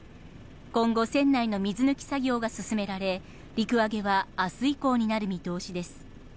今後、船内の水抜き作業が進められ、陸揚げはあす以降になる見通しです。